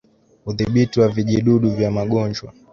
Udhibiti wa vijidudu vya magonjwa